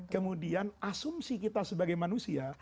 kemudian asumsi kita sebagai manusia